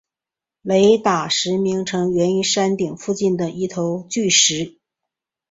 雷打石名字源于山顶附近的一头巨石。